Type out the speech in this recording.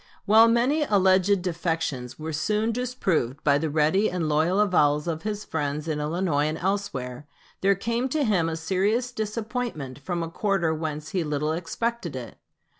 While many alleged defections were soon disproved by the ready and loyal avowals of his friends in Illinois and elsewhere, there came to him a serious disappointment from a quarter whence he little expected it.